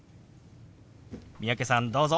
三宅さんどうぞ。